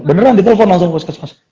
beneran ditelepon langsung ke puskesmas